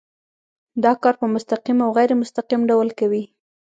دا کار په مستقیم او غیر مستقیم ډول کوي.